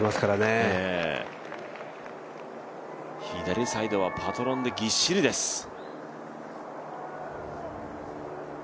左サイドはパトロンでぎっしりです。